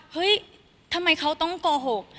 เฮ้ยทำไมเขาต้องโกหก